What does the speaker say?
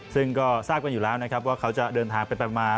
ซึ่งก็ทราบกันอยู่แล้วนะครับว่าเขาจะเดินทางไปมา